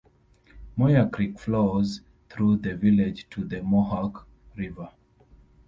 Moyer Creek flows through the village to the Mohawk River.